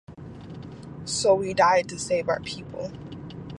So we die to save our people.